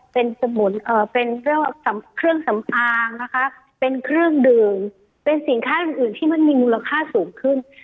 เป็นเครื่องสำอางเป็นเครื่องดื่มเป็นสินค้าหลุมอื่นที่มันมีมูลค่าสูงขึ้น